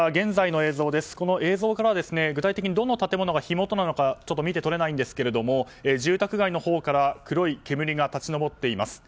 映像から具体的にどの建物が火元なのか見て取れないですが住宅街のほうから黒い煙が立ち上っています。